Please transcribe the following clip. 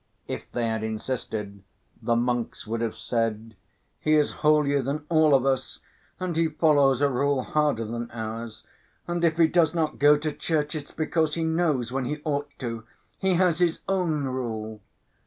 If they had insisted, the monks would have said, "He is holier than all of us and he follows a rule harder than ours. And if he does not go to church, it's because he knows when he ought to; he has his own rule."